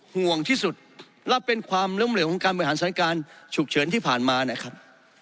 ห่วงที่สุดและเป็นความล้มเหลวของการบริหารสถานการณ์ฉุกเฉินที่ผ่านมานะครับ